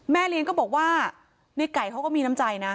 เลี้ยงก็บอกว่าในไก่เขาก็มีน้ำใจนะ